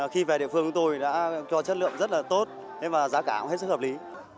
khi về địa phương của tôi đã cho chất lượng rất là tốt thế mà giá cả cũng hết sức hợp lý